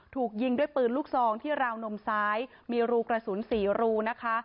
ถูกยิงด้วยปืนลูกซองที่ราวนมซ้ายมีรูกระสุน๔รูนะคะ